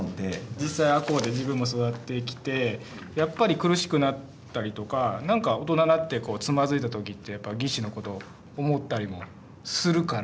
実際赤穂で自分もそうやってきてやっぱり苦しくなったりとかなんか大人になってつまずいた時って義士のこと思ったりもするから。